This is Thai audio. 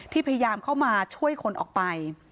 พยายามเข้ามาช่วยคนออกไป